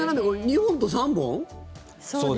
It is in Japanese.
２本と３本。